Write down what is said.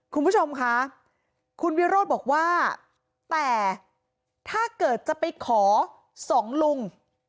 คุณผู้ชมคะคุณวิโรธบอกว่าแต่ถ้าเกิดจะไปขอสองลุง